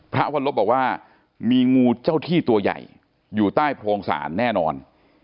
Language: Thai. พระวรรลบบอกว่ามีงูเจ้าที่ตัวใหญ่อยู่ใต้โพรงศาลแน่นอน